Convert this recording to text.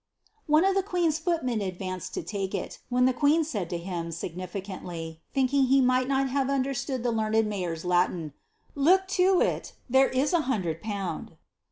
One of the queen's footmen advanced to take it, when the queen said to him, significantly, thinking he might not have understood the learned mavor's Latin, ^ Look to it, there is a hundred pound."